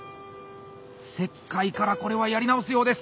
切開からこれはやり直すようです。